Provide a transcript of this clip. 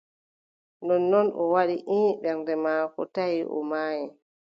Nonnon o waɗi :« ii » ɓernde maako taʼi o maayi.